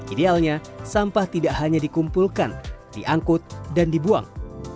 idealnya sampah tidak hanya dikumpulkan diangkut dan dibuang